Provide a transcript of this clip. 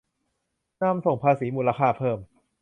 นำส่งภาษีมูลค่าเพิ่ม